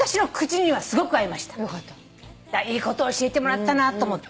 いいこと教えてもらったなと思って。